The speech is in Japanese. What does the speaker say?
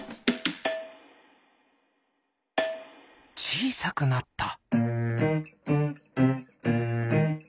ちいさくなった。